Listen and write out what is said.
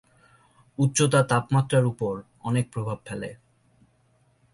উচ্চতা তাপমাত্রার উপর অনেক প্রভাব ফেলে।